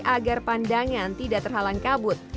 agar pandangan tidak terhalang kabut